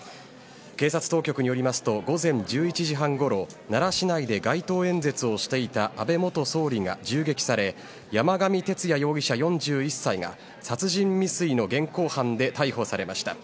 警察当局によりますと午前１１時半ごろ奈良市内で街頭演説をしていた安倍元総理が銃撃され山上徹也容疑者、４１歳が殺人未遂の現行犯で逮捕されました。